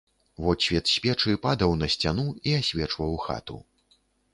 Водсвет з печы падаў на сцяну і асвечваў хату.